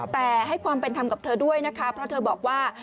แต่ให้ความเป็นธรรมกับเธอด้วยนะคะเพราะเธอบอกว่า